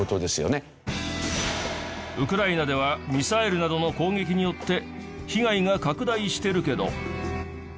ウクライナではミサイルなどの攻撃によって被害が拡大してるけど。